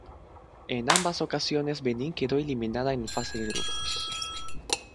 En ambas ocasiones Benín quedó eliminada en fase de grupos.